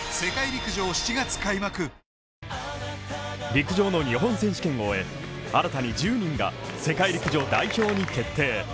陸上の日本選手権を終え、新たに１０人が世界陸上代表に決定。